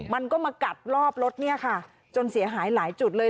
มันก็มากัดรอบรถเนี่ยค่ะจนเสียหายหลายจุดเลย